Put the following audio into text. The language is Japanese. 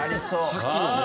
さっきのね。